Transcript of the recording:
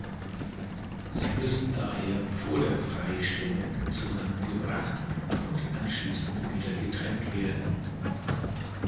Sie müssen daher vor der Freistellung zusammengebracht und anschließend wieder getrennt werden.